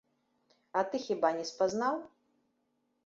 А ты хіба не спазнаў?